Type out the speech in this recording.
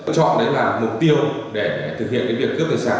chọn đấy là mục tiêu để thực hiện việc cướp tài sản